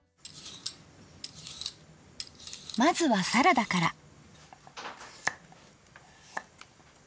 まずはサラダから。